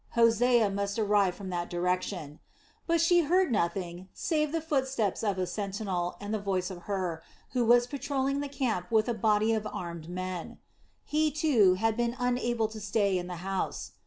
Hosea must arrive from that direction. But she heard nothing save the footsteps of a sentinel and the voice of Hur, who was patrolling the camp with a body of armed men. He, too, had been unable to stay in the house.